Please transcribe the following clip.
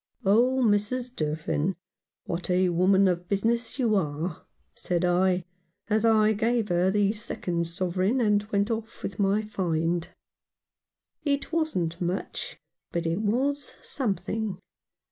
" Oh,. Mrs. Durfin, what a woman of business you are !" said I, as I gave her the second sovereign, and went off with my find. It wasn't much, but it was something.